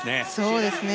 そうですね。